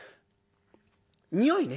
においね。